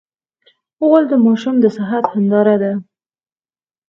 غول د ماشوم د صحت هنداره ده.